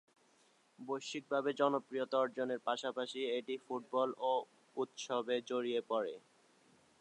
বৈশ্বিকভাবে জনপ্রিয়তা অর্জনের পাশাপাশি এটি ফুটবল ও উৎসবে জড়িয়ে পড়ে।